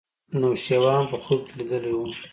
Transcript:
نوشیروان په خوب کې لیدلی و.